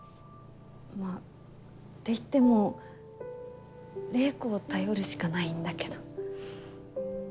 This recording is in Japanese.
まあって言っても玲子を頼るしかないんだけど。